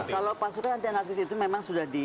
kalau pasukan anti anarkis itu memang sudah